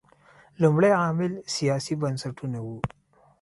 لومړی عامل سیاسي بنسټونه وو.